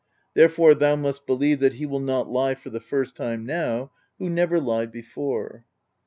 Therefore thou must believe that he will not lie for the first time now, who never lied before."